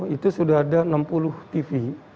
itu sudah ada enam puluh tv